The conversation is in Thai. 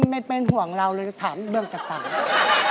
มันเป็นห่วงเราเลยจะถามเรื่องก่อนตอนนี้